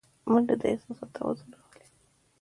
منډه د احساساتو توازن راولي